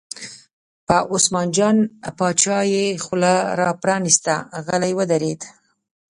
په عثمان جان باچا یې خوله را پرانسته، غلی ودرېد.